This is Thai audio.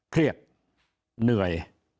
เครียดเหนื่อย